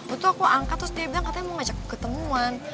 waktu aku angkat terus dia bilang katanya mau ngajak ketemuan